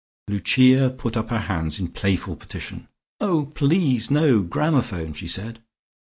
Lucia put up her hands in playful petition. "Oh please, no gramophone!" she said.